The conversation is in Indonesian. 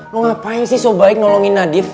lo ngapain sih sebaiknya nolongin nadif